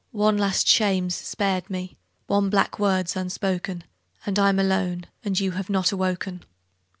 One last shame's spared me, one black word's unspoken; And I'm alone; and you have not awoken.